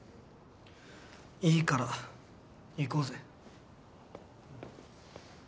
いいから行こうぜ。